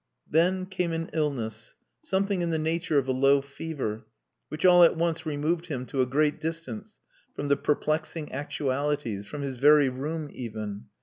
Then came an illness, something in the nature of a low fever, which all at once removed him to a great distance from the perplexing actualities, from his very room, even.